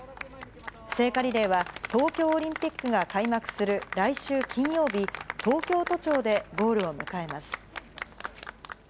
聖火リレーは、東京オリンピックが開幕する来週金曜日、東京都庁でゴールを迎えます。